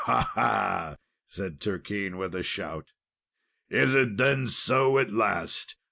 "Aha!" said Turquine, with a shout, "is it then so at last!